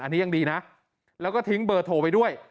อันนี้ยังดีนะแล้วก็ทิ้งเบอร์โทรไปด้วย